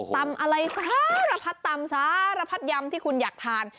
ตำอะไรซะระพัดตำซะระพัดยำที่คุณอยากทาน